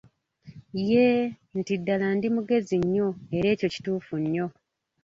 Yee, nti ddala ndi mugezi nnyo era ekyo kituufu nnyo.